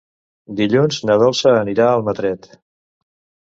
Dilluns na Dolça anirà a Almatret.